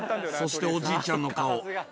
そしておじいちゃんの顔。